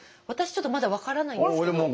私ちょっとまだ分からないんですけど。